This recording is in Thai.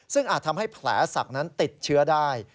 ซึ่งอาจทำให้แผลศักดิ์นั้นติดเชื้อได้